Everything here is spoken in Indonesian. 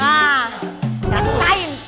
dasar sains ya